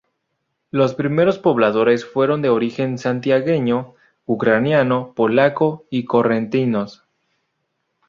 Los primeros pobladores fueron de origen santiagueño, ucraniano, polaco y correntinos.